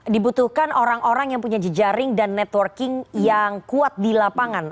dibutuhkan orang orang yang punya jejaring dan networking yang kuat di lapangan